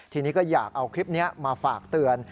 ทีนี้ก็อยากเอาคลิปนี้มาฝากเตือน